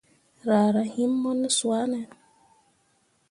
Raa rah him mo ne swane ?